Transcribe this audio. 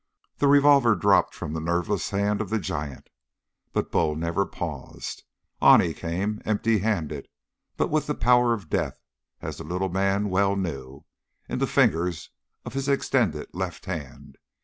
The revolver dropped from the nerveless hand of the giant, but Bull never paused. On he came, empty handed, but with power of death, as the little man well knew, in the fingers of his extended left hand.